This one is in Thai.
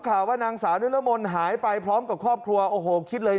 ข่าวว่านางสาวนิรมนต์หายไปพร้อมกับครอบครัวโอ้โหคิดเลย